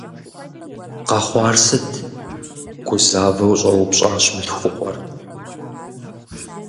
Къэхъуар сыт?- гузэвауэ, щӏэупщӏащ мылъхукъуэр.